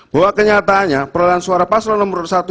bahwa kenyataannya pengurangan suara paselan nomor urut satu